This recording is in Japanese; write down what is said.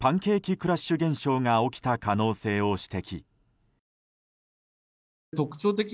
クラッシュ現象が起きた可能性を指摘。